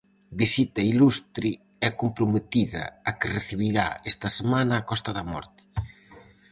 Visita ilustre e comprometida a que recibirá esta semana a Costa da Morte.